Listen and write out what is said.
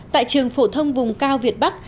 tại trường phổ thông vùng cao việt bắc